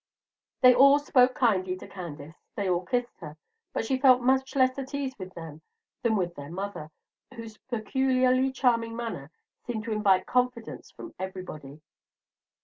They all spoke kindly to Candace, they all kissed her, but she felt much less at ease with them than with their mother, whose peculiarly charming manner seemed to invite confidence from everybody.